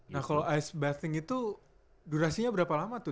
nah kalau ice betting itu durasinya berapa lama tuh